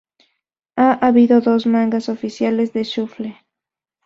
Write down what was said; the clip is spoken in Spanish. Ha habido dos mangas oficiales de Shuffle!.